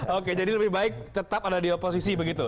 oke jadi lebih baik tetap ada di oposisi begitu